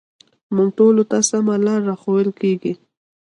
موږ ټولو ته سمه لاره راښوول کېږي